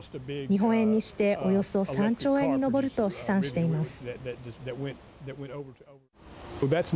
日本円にして、およそ３兆円に上ると試算しています。